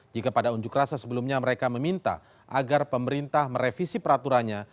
jika pada unjuk rasa sebelumnya mereka meminta agar pemerintah merevisi peraturannya